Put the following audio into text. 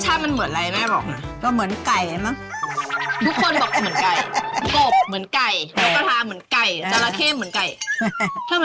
ใช่ค่ะใช่ค่ะ